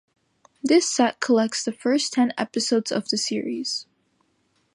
This set collects the first ten episodes of the series.